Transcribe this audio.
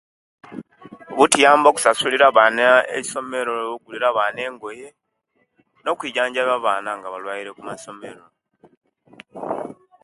Butuyamba okusasulira abaana eisomero okugulira abaana engoye, nokweijjanjabya abaana nga balwaire okumasomero.